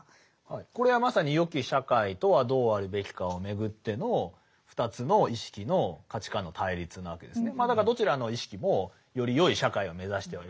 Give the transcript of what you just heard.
これはまさによき社会とはどうあるべきかをめぐっての２つの意識の価値観の対立なわけですね。